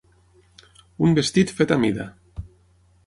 Un vestit fet a mida.